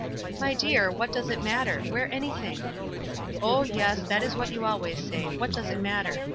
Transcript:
"My dear, what does it matter? Wear any thing." "Oh, 3 T es, that is what you always say — 'What does it matter?'